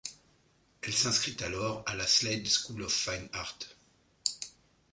Elle s'inscrit alors à la Slade School of Fine Art.